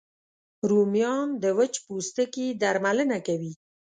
رومیان د وچ پوستکي درملنه کوي